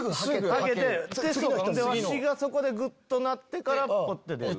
わしがそこでグッとなってからポッて出る。